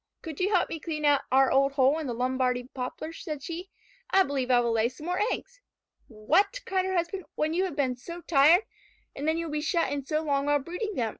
"Could you help me clean out our old hole in the Lombardy poplar?" said she. "I believe I will lay some more eggs." "What?" cried her husband. "When you have been so tired? And then you will be shut in so long while brooding them.